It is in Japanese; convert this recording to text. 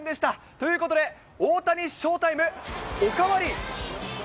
ということで大谷ショータイム！おかわり！